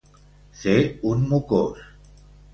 Ser un mocós.